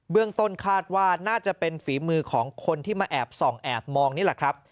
ต้นคาดว่าน่าจะเป็นฝีมือของคนที่มาแอบส่องแอบมองนี่แหละครับ